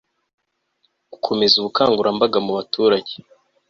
gukomeza ubukangurambaga mu baturage